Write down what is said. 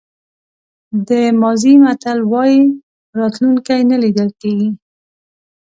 د مازی متل وایي راتلونکی نه لیدل کېږي.